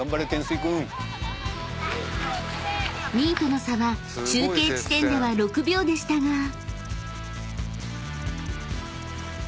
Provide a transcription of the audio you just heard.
［２位との差は中継地点では６秒でしたが］